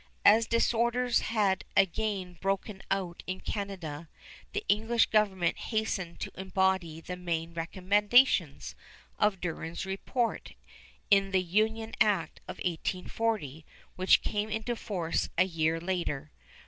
As disorders had again broken out in Canada, the English government hastened to embody the main recommendations of Durham's report in the Union Act of 1840, which came into force a year later.